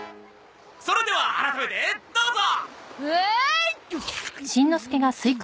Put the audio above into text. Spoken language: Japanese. それでは改めてどうぞ！ほい！